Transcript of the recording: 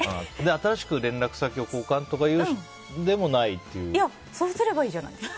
新しく連絡先を交換でもそうすればいいじゃないですか。